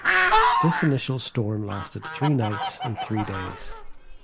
This initial storm lasted three nights and three days.